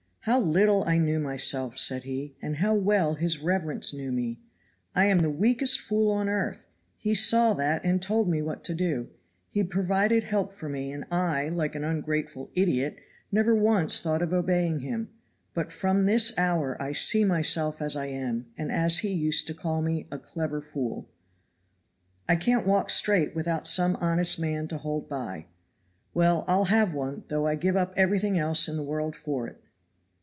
"How little I knew myself," said he, "and how well his reverence knew me! I am the weakest fool on earth he saw that and told me what to do. He provided help for me and I, like an ungrateful idiot, never once thought of obeying him; but from this hour I see myself as I am and as he used to call me a clever fool. I can't walk straight without some honest man to hold by. Well, I'll have one, though I give up everything else in the world for it."